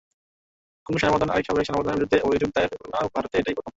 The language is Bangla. কোনো সেনাপ্রধান আরেক সাবেক সেনাপ্রধানের বিরুদ্ধে অভিযোগ দায়েরের ঘটনা ভারতে এটাই প্রথম।